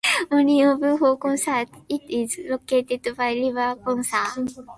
Only open for Concerts, it is located by the river Bosna.